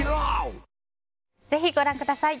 ぜひ、ご覧ください。